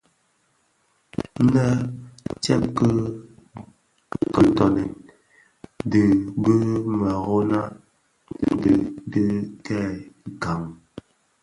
Nnë tsèb ki kitöňèn dhi bi mërōňa di dhi kè gan.